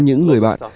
những người bạn